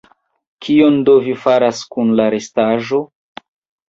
Kion do vi faras kun la restaĵo?